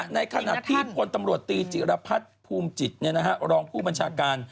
ในขณะที่พลตำรวจตีจิรพัฒน์ภูมิจิตรองผู้บัญชาการ